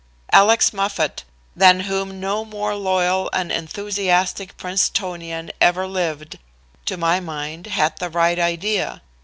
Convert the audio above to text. "Alex Moffat, than whom no more loyal and enthusiastic Princetonian ever lived, to my mind, had the right idea.